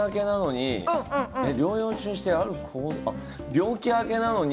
病気明けなのに。